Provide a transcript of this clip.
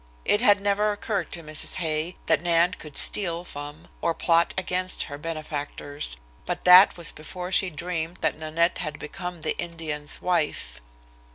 It had never occurred to Mrs. Hay that Nan could steal from or plot against her benefactors, but that was before she dreamed that Nanette had become the Indian's wife.